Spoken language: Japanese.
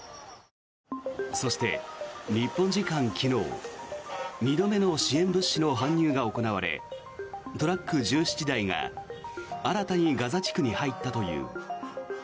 そして、日本時間昨日２度目の支援物資の搬入が行われトラック１７台が新たにガザ地区に入ったという。